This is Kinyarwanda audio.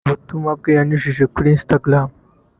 Mu butumwa bwe yanyujije kuri instagram